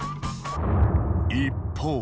一方。